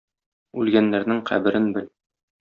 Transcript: Үлгәннәрнең каберен бел...